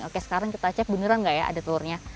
oke sekarang kita cek beneran nggak ya ada telurnya